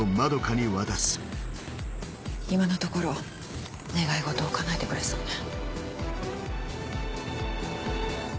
今のところ願い事を叶えてくれそうね。